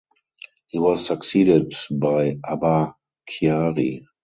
He was succeeded by Abba Kyari.